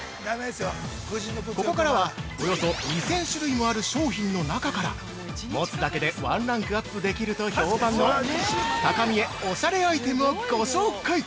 ◆ここからは、およそ２０００種類もある商品の中から持つだけでワンランクアップできると評判の高見えおしゃれアイテムをご紹介。